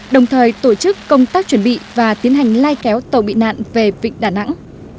đồng thời tổ chức công tác chuẩn bị và tiến hành lai kéo tàu bị nạn về vịnh đà nẵng